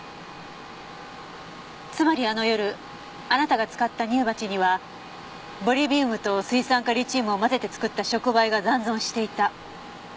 つまりあの夜あなたが使った乳鉢にはボリビウムと水酸化リチウムを混ぜて作った触媒が残存していた。